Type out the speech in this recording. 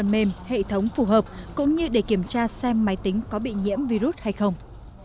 phần mềm hệ thống phù hợp cũng như để kiểm tra xem máy tính có bị nhiễm virus hay không